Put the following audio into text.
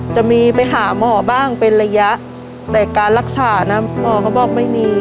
จะมีไปหาหมอบ้างเป็นระยะแต่การรักษานะหมอก็บอกไม่มี